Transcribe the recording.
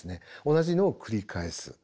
同じのを繰り返す。